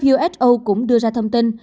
who cũng đưa ra thông tin